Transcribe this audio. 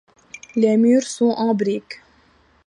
Les murs sont en briques.